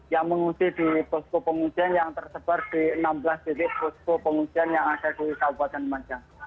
yang mengungsi di posko pengungsian yang tersebar di enam belas titik posko pengungsian yang ada di kabupaten lumajang